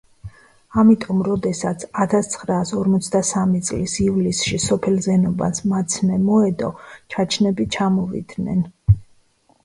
ამიტომ როდესაც ათასცხრაას ორმოცდა სამი წლის ივლისში სოფელ ზენობანს მაცნე მოედო ჩაჩნები ჩამოვიდნენ